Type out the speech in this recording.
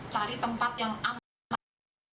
cari tempat yang aman